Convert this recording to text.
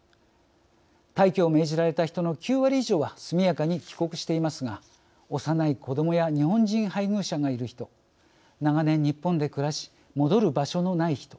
退去を命じられた人の９割以上は速やかに帰国していますが幼い子どもや日本人配偶者がいる人長年日本で暮らし戻る場所のない人。